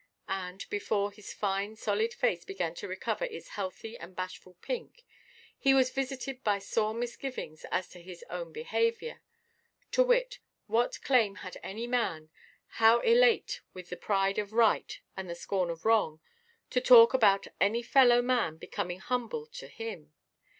And, before his fine solid face began to recover its healthy and bashful pink, he was visited by sore misgivings as to his own behaviour; to wit, what claim had any man, however elate with the pride of right and the scorn of wrong, to talk about any fellow–man becoming humble to him?